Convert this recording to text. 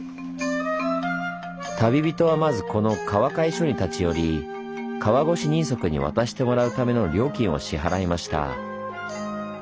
旅人はまずこの川会所に立ち寄り川越人足に渡してもらうための料金を支払いました。